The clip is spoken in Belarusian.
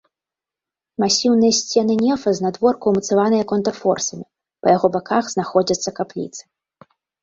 Масіўныя сцены нефа знадворку ўмацаваныя контрфорсамі, па яго баках знаходзяцца капліцы.